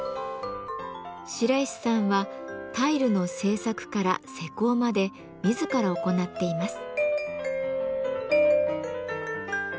白石さんはタイルの制作から施工まで自ら行っています。